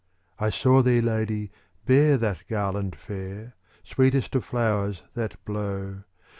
I saw thee, Lady, bear that garland fair. Sweetest of flowers that blow.